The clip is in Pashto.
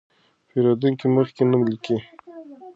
پېرېدونکي مخکې نوم لیکي.